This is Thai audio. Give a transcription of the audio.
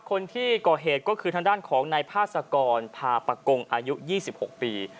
คนที่ก่อเหตุก็คือทางด้านของนายพาสกรพาปะกงอายุ๒๖ปี